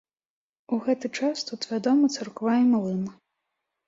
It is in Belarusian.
У гэты час тут вядомы царква і млын.